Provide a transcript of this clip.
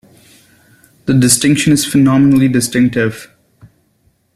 The distinction is phonemically distinctive.